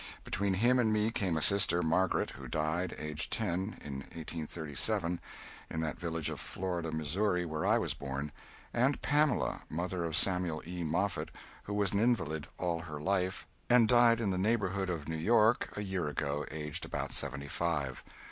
Between him and me came a sister, Margaret, who died, aged ten, in 1837, in that village of Florida, Missouri, where I was born; and Pamela, mother of Samuel E. Moffett, who was an invalid all her life and died in the neighborhood of New York a year ago, aged about seventy five.